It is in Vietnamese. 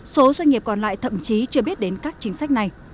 số doanh nghiệp còn lại thậm chí chưa biết đến các chính sách này